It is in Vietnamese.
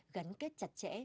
gắn kết chặt chẽ